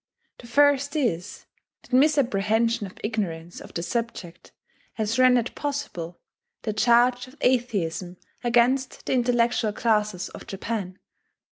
The first is that misapprehension or ignorance of the subject has rendered possible the charge of atheism against the intellectual classes of Japan.